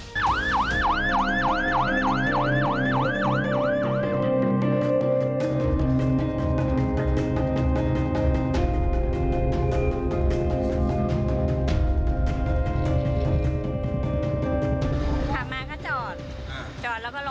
มันเป็นแบบที่สุดท้ายแต่มันเป็นแบบที่สุดท้าย